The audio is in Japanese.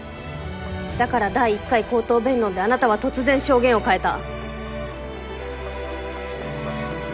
だから第一回口頭弁論であなたは突然証言を変えた。